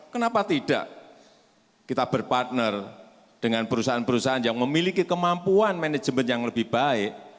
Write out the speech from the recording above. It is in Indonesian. kenapa tidak kita berpartner dengan perusahaan perusahaan yang memiliki kemampuan manajemen yang lebih baik